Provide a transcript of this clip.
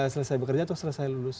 selesai bekerja atau selesai lulus